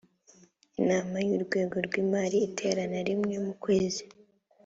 inama y’urwego rw imari iterana rimwe mumu kwezi